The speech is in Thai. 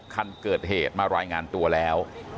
คันเกิดเหตุมารายงานตัวแล้ว